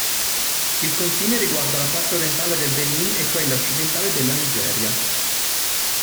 Il confine riguarda la parte orientale del Benin e quella occidentale della Nigeria.